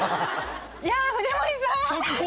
いや藤森さん！速報！